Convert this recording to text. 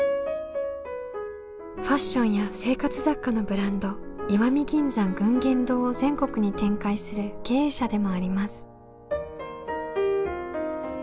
ファッションや生活雑貨のブランド「石見銀山群言堂」を全国に展開する経営者でもあります。